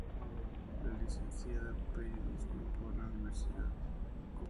Es Licenciada en Periodismo por la Universidad Complutense de Madrid.